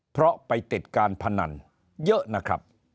เพราะไปติดการพนันเยอะนะครับ